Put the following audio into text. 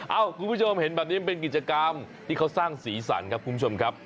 คุณผู้ชมเห็นแบบนี้มันเป็นกิจกรรมที่เขาสร้างสีสันครับคุณผู้ชมครับ